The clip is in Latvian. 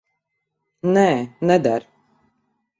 Nē, neder.